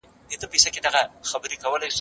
د لويي جرګې د پرانیستي مراسم چېرته ترسره کېږي؟